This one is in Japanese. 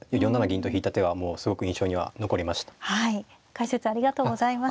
解説ありがとうございました。